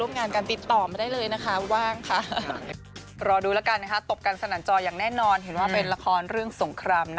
มันคงต้องก่อนแล้วกันยังไง